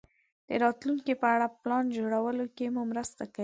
د راتلونکې په اړه پلان جوړولو کې مو مرسته کوي.